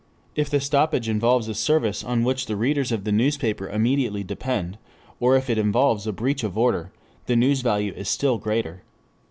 If the stoppage involves a service on which the readers of the newspapers immediately depend, or if it involves a breach of order, the news value is still greater.